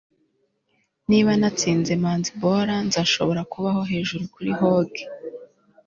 niba natsinze manzibora, nzashobora kubaho hejuru kuri hog